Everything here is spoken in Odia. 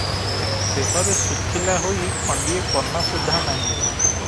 ଦେହରେ ଶୁଖିଲା ହୋଇ ଖଣ୍ଡିଏ କନା ସୁଦ୍ଧା ନାହିଁ ।